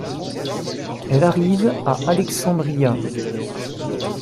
Elle arrive à Alexandria.